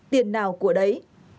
tiền nào của đấy